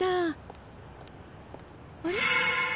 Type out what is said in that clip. あれ？